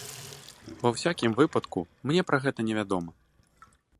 Ва ўсякім выпадку, мне пра гэта невядома.